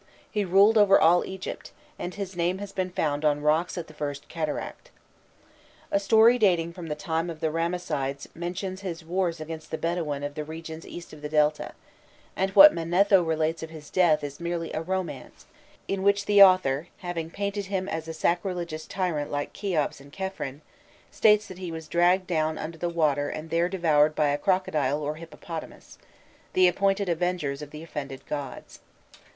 He ruled over all Egypt, and his name has been found on rocks at the first cataract. A story dating from the time of the Ramessides mentions his wars against the Bedouin of the regions east of the Delta; and what Manetho relates of his death is merely a romance, in which the author, having painted him as a sacrilegious tyrant like Kheops and Khephren, states that he was dragged down under the water and there devoured by a crocodile or hippopotamus, the appointed avengers of the offended gods.